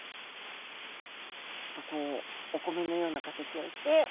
ちょっとこうお米のような形をして。